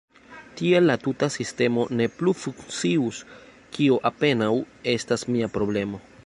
Tiel la tuta sistemo ne plu funkcius – kio apenaŭ estas mia problemo.